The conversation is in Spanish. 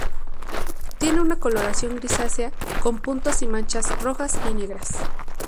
Tiene una coloración grisácea con puntos y manchas rojas y negras.